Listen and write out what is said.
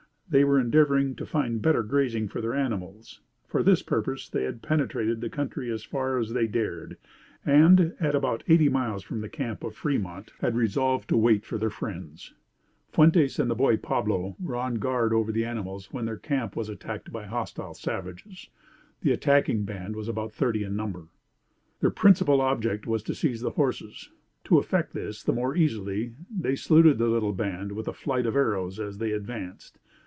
They were endeavoring to find better grazing for their animals. For this purpose they had penetrated the country as far as they dared; and, at about eighty miles from the camp of Fremont, had resolved to wait for their friends. Fuentes and the boy Pablo were on guard over the animals when their camp was attacked by hostile savages. The attacking band was about thirty in number. Their principal object was to seize the horses. To effect this the more easily, they saluted the little band with a flight of arrows as they advanced.